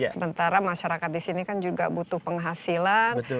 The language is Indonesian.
sementara masyarakat di sini kan juga butuh penghasilan